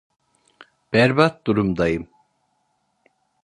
Berbat durumdayım.